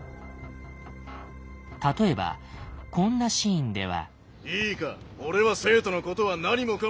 例えばこんなシーンでは。